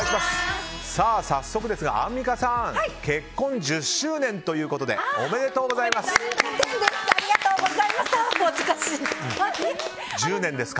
早速ですがアンミカさん結婚１０周年ということでおめでとうございます！